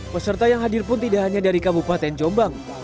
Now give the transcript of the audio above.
peserta yang hadir pun tidak hanya dari kabupaten jombang